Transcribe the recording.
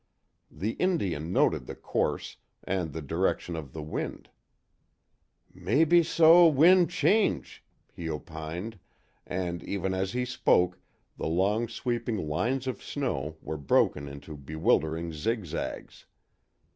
The Indian noted the course, and the direction of the wind. "Mebbe so win' change," he opined, and even as he spoke the long sweeping lines of snow were broken into bewildering zig zags.